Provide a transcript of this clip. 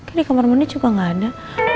ini kamar mandi juga gak ada